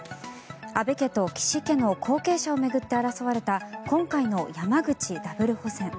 安倍家と岸家の後継者を巡って争われた今回の山口ダブル補選。